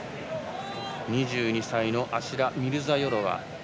２２歳のアシラ・ミルザヨロワ。